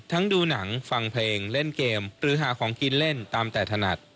ดูหนังฟังเพลงเล่นเกมหรือหาของกินเล่นตามแต่ถนัด